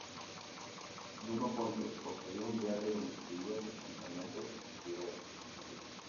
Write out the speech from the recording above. Nuno Pontes poseía un diario donde escribía sus pensamientos y sus ideas.